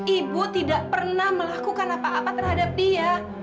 ibu tidak pernah melakukan apa apa terhadap dia